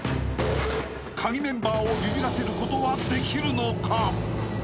［カギメンバーをビビらせることはできるのか？］